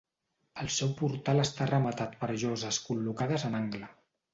El seu portal està rematat per lloses col·locades en angle.